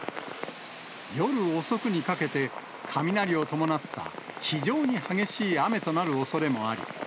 夜遅くにかけて、雷を伴った非常に激しい雨となるおそれもあり、